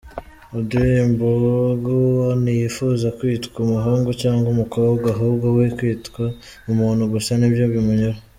Audrey Mbugua ntiyifuza kwitwa umuhungu cyangwa umukobwa, ahubwo we kwitwa umuntu gusa nibyo bimunyura.